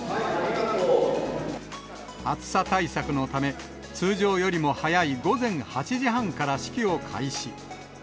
暑さ対策のため、通常よりも早い午前８時半から式を開始。